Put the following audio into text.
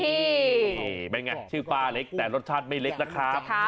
นี่เป็นไงชื่อป้าเล็กแต่รสชาติไม่เล็กนะครับ